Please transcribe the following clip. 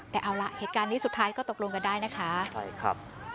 แต่เอาล่ะเหตุการณ์นี้สุดท้ายก็ตกลงกันได้นะคะใช่ครับ